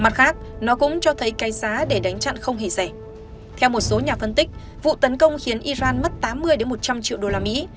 mặt khác theo một số nhà phân tích vụ tấn công khiến iran mất tám mươi một trăm linh triệu đô la mỹ